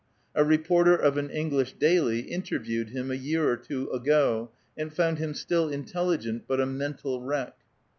A reporter of an English daily interviewed him a year or two ago, and found him still intelligent, but a mental wreck.